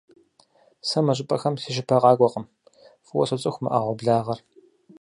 Сэ мы щӀыпӀэхэм си щыпэ къакӀуэкъым, фӀыуэ соцӀыху мы Ӏэгъуэблагъэр.